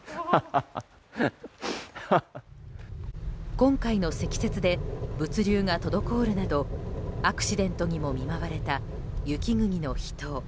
今回の積雪で物流が滞るなどアクシデントにも見舞われた雪国の秘湯。